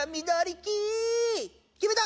きめた！